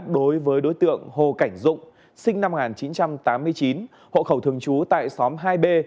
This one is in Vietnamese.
đối với đối tượng hồ cảnh dụng sinh năm một nghìn chín trăm tám mươi chín hộ khẩu thường trú tại xóm hai b